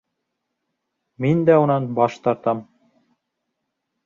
Мин дә унан баш тартам!